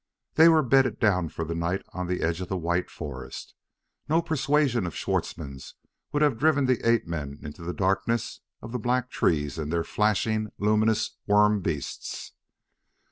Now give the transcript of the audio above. They were bedded down for the night on the edge of the white forest; no persuasion of Schwartzmann's would have driven the ape men into the darkness of the black trees and their flashing, luminous worm beasts.